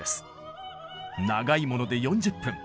長いもので４０分。